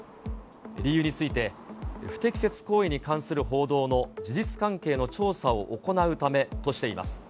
理由について、不適切行為に関する報道の事実関係の調査を行うためとしています。